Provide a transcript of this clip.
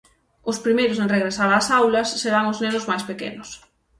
Os primeiros en regresar ás aulas serán os nenos máis pequenos.